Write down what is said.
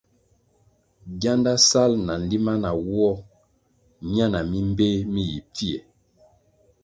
Gianda sal na nlima nawoh miana mi mbpéh mi yi pfie.